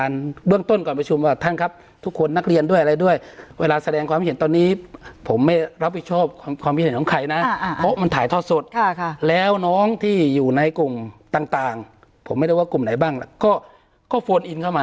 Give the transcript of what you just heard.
ซึ่งปกติเรื่องการประชุมเนี่ยเป็น